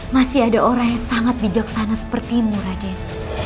masih ada orang yang sangat bijaksana sepertimu raden